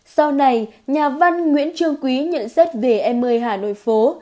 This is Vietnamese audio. sau này nhà văn nguyễn trương quý nhận xét về em ơi hà nội phố